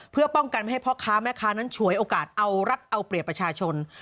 เพื่อป้องกันไม่ให้พ่อค้าแม่ค้านั้นฉวยโอกาสเอารัฐเอาเปรียบประชาชน